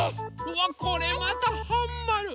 うわこれまたはんまる。